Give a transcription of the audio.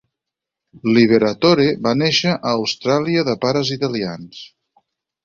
Liberatore va néixer a Austràlia de pares italians.